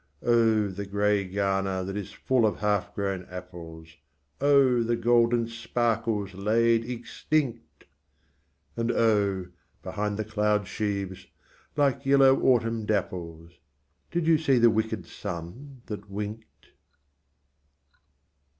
Oh, the grey garner that is full of half grown apples, Oh, the golden sparkles laid extinct ! And oh, behind the cloud sheaves, like yellow autumn dapples, Did you see the wicked sun that winked?